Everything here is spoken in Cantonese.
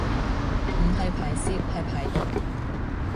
唔係排泄係排毒